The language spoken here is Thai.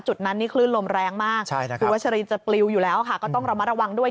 จุดนั้นนี่คลื่นลมแรงมากคุณวัชรินจะปลิวอยู่แล้วค่ะก็ต้องระมัดระวังด้วย